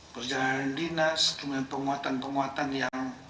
perjalanan dinas kemudian penguatan penguatan yang